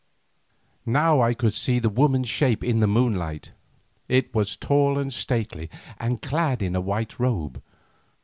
Now I could see the woman's shape in the moonlight; it was tall and stately and clad in a white robe.